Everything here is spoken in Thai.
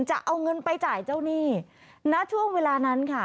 จะเอาเงินไปจ่ายเจ้าหนี้ณช่วงเวลานั้นค่ะ